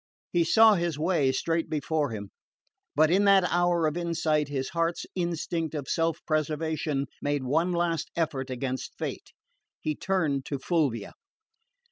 He saw his way straight before him; but in that hour of insight his heart's instinct of self preservation made one last effort against fate. He turned to Fulvia.